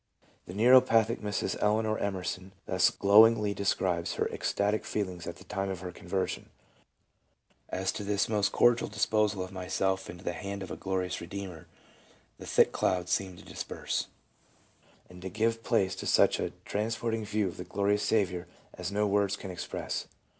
The neuropathic Mrs. Eleanor Emerson thus glowingly describes her ecstatic feelings at the time of her conversion :" At this most cordial disposal of myself into the hand of a glorious Eedeemer, the thick clouds seemed to disperse, and give place to such a transporting view of the glorious Saviour as no words can express.